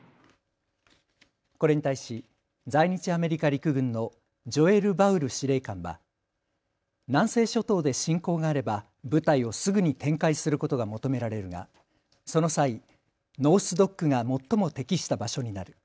これに対し在日アメリカ陸軍のジョエル・ヴァウル司令官は南西諸島で侵攻があれば部隊をすぐに展開することが求められるがその際、ノース・ドックが最も適した場所になる。